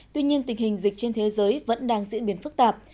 tuy nhiên tình hình dịch trên thế giới vẫn đang diễn biến phức tạp